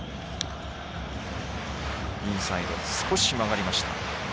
インサイド少し曲がりました。